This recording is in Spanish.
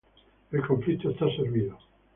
El conflicto está servido.